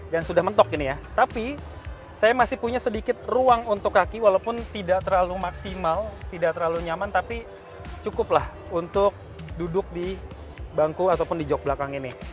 dan sudah mentok gini ya tapi saya masih punya sedikit ruang untuk kaki walaupun tidak terlalu maksimal tidak terlalu nyaman tapi cukup lah untuk duduk di bangku ataupun di jog belakang ini